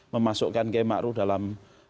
memasukkan k ma'ruf dalam